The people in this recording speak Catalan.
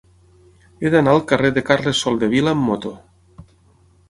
He d'anar al carrer de Carles Soldevila amb moto.